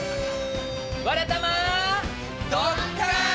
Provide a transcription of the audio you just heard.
「わらたま」。「ドッカン」！